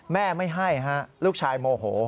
แม่ไม่ให้ฮะลูกชายโมโห